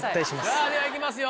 さぁではいきますよ